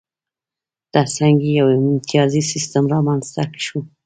ترڅنګ یې یو امتیازي سیستم هم رامنځته شو.